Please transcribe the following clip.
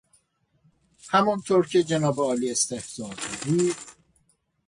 همانطور که جناب عالی استحضار دارید...